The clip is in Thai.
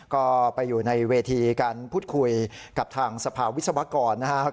ก็ไปอยู่ในเวทีการพูดคุยกับทางสภาวิทยาลัยวิทยาลัยก่อน